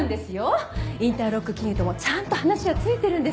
インターロック金融ともちゃんと話はついてるんです。